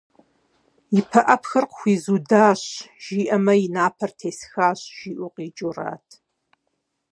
«И пыӀэпхэр къыхуизудащ» жиӀамэ, «и напэр тесхащ» жиӀэу къикӀырт.